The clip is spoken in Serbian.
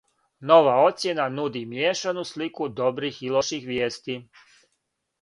Нова оцјена нуди мијешану слику добрих и лоших вијести.